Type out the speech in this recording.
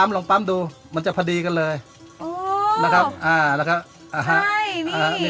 อ๋อคุณผู้ชม